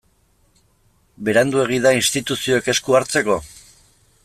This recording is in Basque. Beranduegi da instituzioek esku hartzeko?